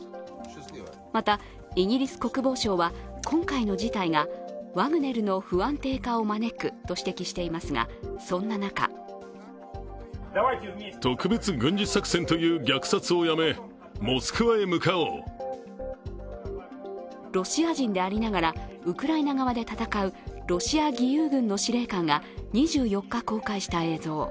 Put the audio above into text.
またイギリス国防省は今回の事態がワグネルの不安定化を招くと指摘していますがそんな中ロシア人でありながらウクライナ側で戦うロシア義勇軍の司令官が２４日公開した映像。